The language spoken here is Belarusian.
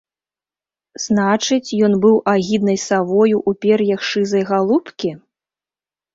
Значыць, ён быў агіднай савою ў пер'ях шызай галубкі?